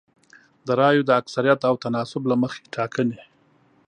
د رایو د اکثریت او تناسب له مخې ټاکنې